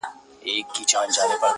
کوم عمل به مي دې خلکو ته په یاد وي؟-